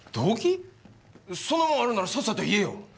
そんなもんあるならさっさと言えよ。